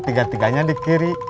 tiga tiganya di kiri